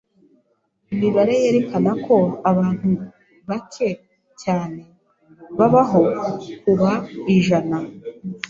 Imibare yerekana ko abantu bake cyane babaho kuba ijana.